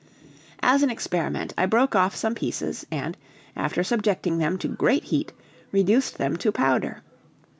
As an experiment, I broke off some pieces, and, after subjecting them to great heat, reduced them to powder.